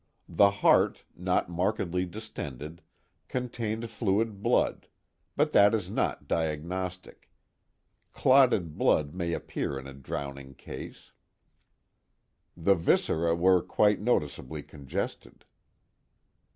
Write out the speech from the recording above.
The heart, not markedly distended, contained fluid blood, but that is not diagnostic: clotted blood may appear in a drowning case. The viscera were quite noticeably congested."